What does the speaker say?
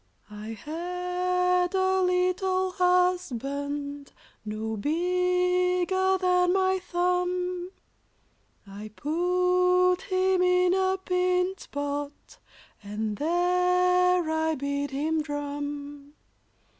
] I had a little husband, No bigger than my thumb; I put him in a pint pot, And there I bid him drum.